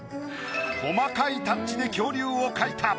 細かいタッチで恐竜を描いた。